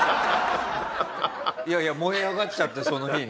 いやいや燃え上がっちゃってその日に。